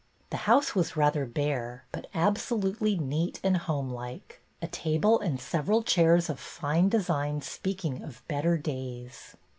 The house was rather bare, but absolutely neat and homelike, a table and several chairs of fine design speaking of better days.